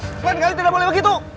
selain kali tidak boleh begitu